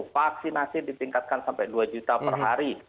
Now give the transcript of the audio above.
vaksinasi ditingkatkan sampai dua juta per hari